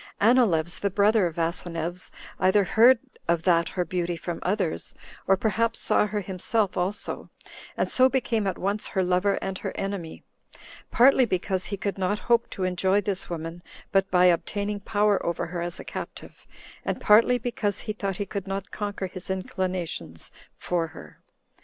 Anileus, the brother of Asineus, either heard of that her beauty from others, or perhaps saw her himself also, and so became at once her lover and her enemy; partly because he could not hope to enjoy this woman but by obtaining power over her as a captive, and partly because he thought he could not conquer his inclinations for her.